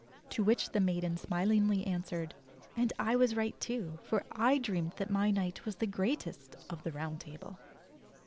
To which the maiden smilingly answered: "And I was right too, for I dreamed that my knight was the greatest of the Round Table."